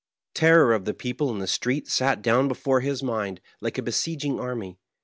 Terror of the people in the street sat down before his mind like a besieging army.